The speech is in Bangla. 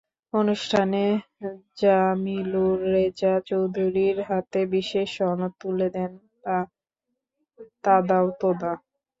অনুষ্ঠানে জামিলুর রেজা চৌধুরীর হাতে বিশেষ সনদ তুলে দেন তাদাও তোদা।